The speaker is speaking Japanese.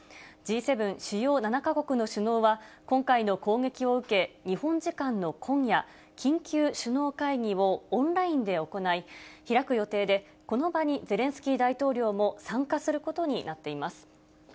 Ｇ７・主要７か国の首脳は、今回の攻撃を受け、日本時間の今夜、緊急首脳会議をオンラインで行い、開く予定で、この場にゼレンスキー大統領も参加することになっています。